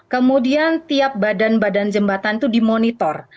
kemudian tiap badan badan jembatan itu dimonitor